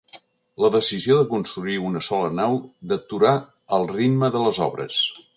La decisió de construir una sola nau deturà el ritme de les obres.